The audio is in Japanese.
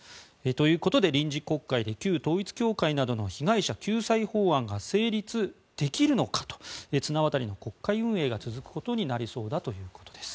ということで、臨時国会で旧統一教会などの被害者救済法案が成立できるのかと綱渡りの国会運営が続くことになりそうだということです。